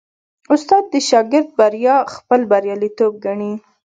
استاد د شاګرد بریا خپل بریالیتوب ګڼي.